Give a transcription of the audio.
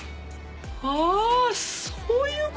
あそういうことですか？